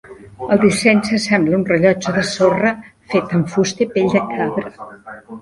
El disseny s'assembla a un rellotge de sorra fet amb fusta i pell de cabra.